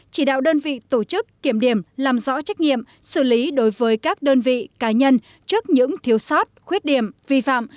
chỉ đạo đơn vị tổ chức kiểm điểm làm rõ trách nhiệm xử lý đối với các đơn vị cá nhân trước những thiếu sót khuyết điểm vi phạm